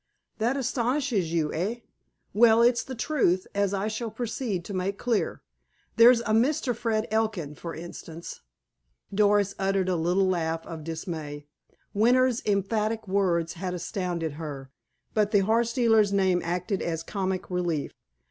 That astonishes you, eh? Well, it's the truth, as I shall proceed to make clear. There's a Mr. Fred Elkin, for instance—" Doris uttered a little laugh of dismay. Winter's emphatic words had astounded her, but the horse dealer's name acted as comic relief.